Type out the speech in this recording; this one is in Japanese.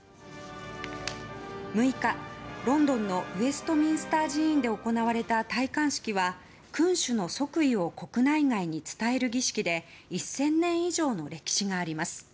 ６日、ロンドンのウェストミンスター寺院で行われた戴冠式は君主の即位を国内外に伝える儀式で１０００年以上の歴史があります。